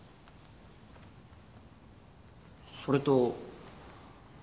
それと。